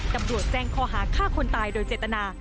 ตำรวจแจ้งข้อหาฆ่าคนตายโดยเจตนา